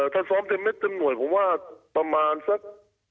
ถ้าซ้อมเต็มเม็ดเต็มหน่วยผมว่าประมาณสัก